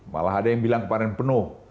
malah ada yang bilang kemarin penuh